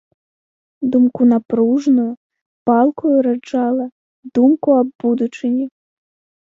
Думку напружную, палкую раджала, думку аб будучыні.